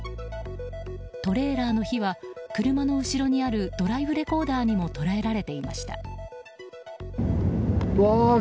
トレーラーの火は車の後ろにあるドライブレコーダーにも捉えられていました。